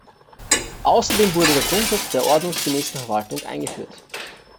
Außerdem wurde der Grundsatz der ordnungsgemäßen Verwaltung eingeführt.